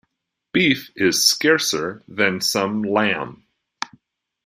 Beef is scarcer than some lamb.